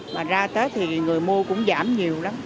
mà ra tết thì người mua cũng giảm nhiều lắm